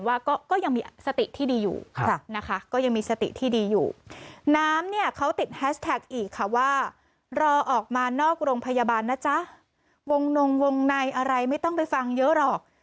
วงนืองวงในอะไรไม่ต้องไปฟังเยอะหรอก